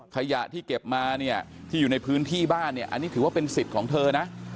ขยะที่เก็บมาเนี่ยที่อยู่ในพื้นที่บ้านเนี่ยอันนี้ถือว่าเป็นสิทธิ์ของเธอนะ